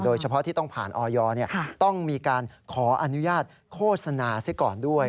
โดยเฉพาะที่ต้องผ่านออยต้องมีการขออนุญาตโฆษณาซะก่อนด้วย